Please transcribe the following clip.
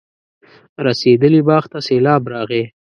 رسېدلي باغ ته سېلاب راغی.